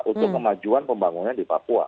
untuk kemajuan pembangunan di papua